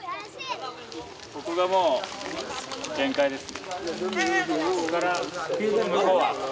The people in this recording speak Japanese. ここがもう限界です。